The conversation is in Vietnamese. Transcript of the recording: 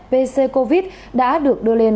pc covid đã được đưa lên